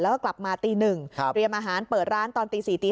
แล้วก็กลับมาตีหนึ่งเตรียมอาหารเปิดร้านตอน๔๐๐๕๐๐